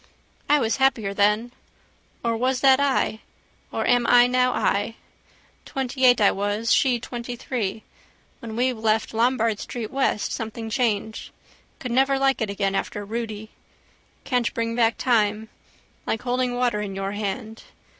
I was happier then. Or was that I? Or am I now I? Twentyeight I was. She twentythree. When we left Lombard street west something changed. Could never like it again after Rudy. Can't bring back time. Like holding water in your hand.